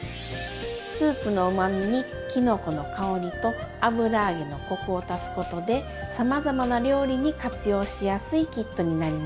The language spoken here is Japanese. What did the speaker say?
スープのうまみにきのこの香りと油揚げのコクを足すことでさまざまな料理に活用しやすいキットになります。